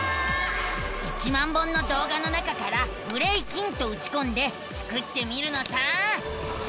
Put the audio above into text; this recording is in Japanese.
１万本のどうがの中から「ブレイキン」とうちこんでスクってみるのさ！